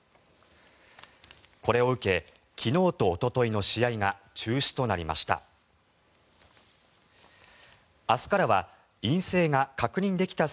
これを受け昨日とおとといの試合が中止となりました。